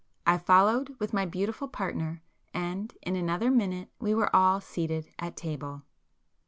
I followed with my beautiful partner, and in another minute we were all seated at table.